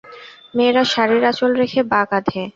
মেয়েরা শাড়ির আঁচল রাখে বাঁ কাঁধে।